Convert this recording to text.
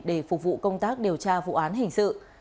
để phục vụ công tác điều tra vụ án hình sự